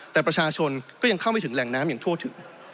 แต่ประชาชนก็ยังเข้าไปถึงแหล่งน้ำอย่างทั่วถึง